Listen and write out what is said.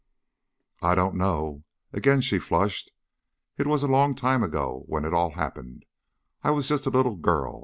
"I don't know." Again she flushed. "It was a long time ago when it all happened. I was just a little girl.